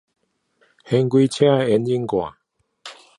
掀起了車子的引擎蓋